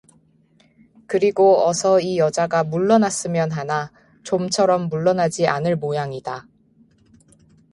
그리고 어서 이 여자가 물러났으면 하나 좀처럼 물러나지 않을 모양이다.